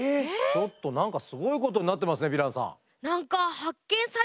ちょっと何かすごいことになってますねヴィランさん。